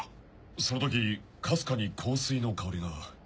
その時かすかに香水の香りが。